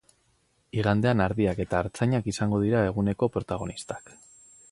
Igandean ardiak eta artzainak izango dira eguneko protagonistak.